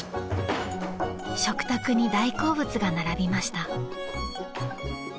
［食卓に大好物が並びました］